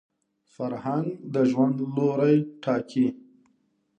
فرهنګ د ژوند لوري ټاکي